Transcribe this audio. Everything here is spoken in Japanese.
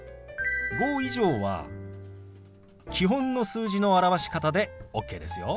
５以上は基本の数字の表し方でＯＫですよ。